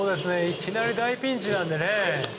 いきなり大ピンチなんでね。